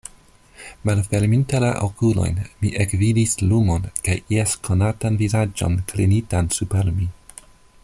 Malferminte la okulojn, mi ekvidis lumon kaj ies konatan vizaĝon klinitan super mi.